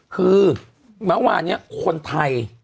คือเมื่อวานนี้คนไทย